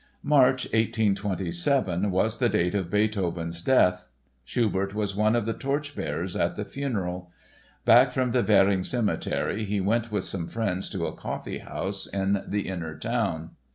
March, 1827, was the date of Beethoven's death. Schubert was one of the torchbearers at the funeral. Back from the Währing cemetery he went with some friends to a coffee house in the "Inner Town."